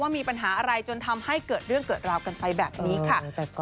มีปัญหาอะไรจนทำให้เกิดเรื่องเกิดราวกันไปแบบนี้ค่ะ